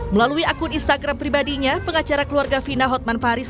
melalui akun instagram pribadinya pengacara keluarga fina hotman paris